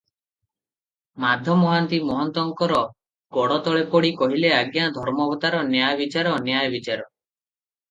ମାଧ ମହାନ୍ତି ମହନ୍ତଙ୍କ ଗୋଡ଼ତଳେ ପଡ଼ି କହିଲେ, "ଆଜ୍ଞା ଧର୍ମ ଅବତାର! ନ୍ୟାୟବିଚାର, ନ୍ୟାୟ ବିଚାର ।